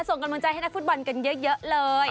ส่งกำลังใจให้นักฟุตบอลกันเยอะเลย